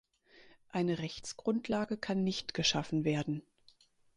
Eine Rechtsgrundlage kann nicht geschaffen werden.